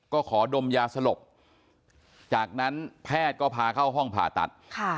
ก็ขอดมยาสลบจากนั้นแพทย์ก็พาเข้าห้องผ่าตัด